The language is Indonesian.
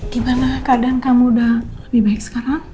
gimana kadang kamu udah lebih baik sekarang